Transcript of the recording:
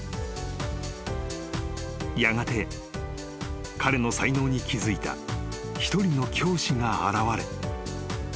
［やがて彼の才能に気付いた一人の教師が現れ］